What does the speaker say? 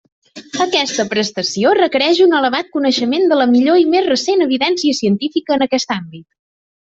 Aquesta prestació requereix un elevat coneixement de la millor i més recent evidència científica en aquest àmbit.